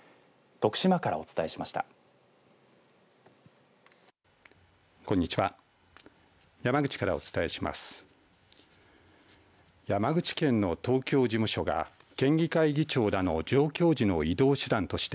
徳島からお伝えしました。